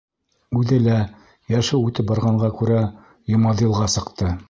Үҙе лә йәше үтеп барғанға күрә Йомаҙилға сыҡты.